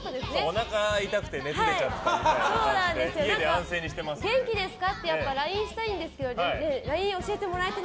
おなかが痛くて熱が出ちゃったみたいで元気ですか？